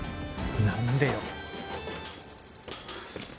何でよ。